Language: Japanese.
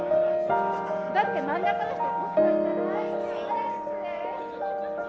だって真ん中の人。